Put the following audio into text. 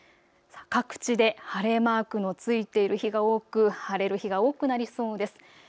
各地で晴れマークのついている日が多く晴れる日が多くなりそうです。